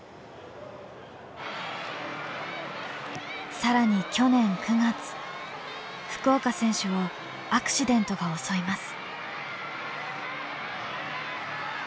更に去年９月福岡選手をアクシデントが襲います。